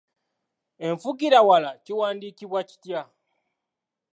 Enfugirawala kiwandiikibwa kitya?